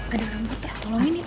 ada rambutnya tolong ini